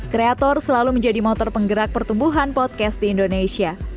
kreator selalu menjadi motor penggerak pertumbuhan podcast di indonesia